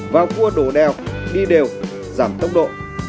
vào cua đổ đèo đi đều giảm tốc độ